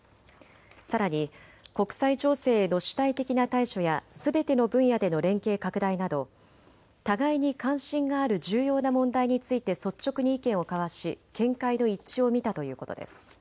さらに国際情勢への主体的な対処やすべての分野での連携拡大など互いに関心がある重要な問題について率直に意見を交わし見解の一致を見たということです。